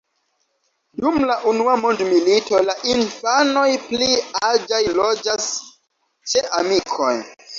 Dum la Unua mondmilito la infanoj pli aĝaj loĝas ĉe amikoj.